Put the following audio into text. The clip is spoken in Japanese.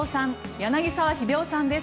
柳澤秀夫さんです。